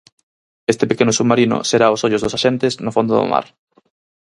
Este pequeno submarino será os ollos dos axentes no fondo do mar.